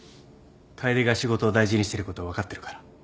楓が仕事を大事にしてること分かってるから。